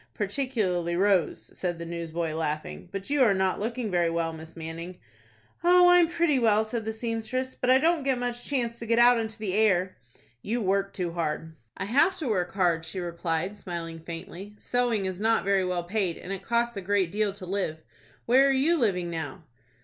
"Particularly Rose," said the newsboy, laughing. "But you are not looking very well, Miss Manning." "Oh, I'm pretty well," said the seamstress; "but I don't get much chance to get out into the air." "You work too hard." "I have to work hard," she replied, smiling faintly. "Sewing is not very well paid, and it costs a great deal to live. Where are you living now?"